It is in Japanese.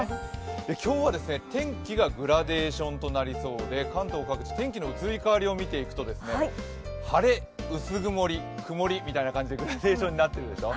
今日は天気がグラデーションとなりそうで関東各地、天気の移り変わりを見ていくと晴れ、薄曇り、曇り、みたいな感じでグラデーションになってるでしょ。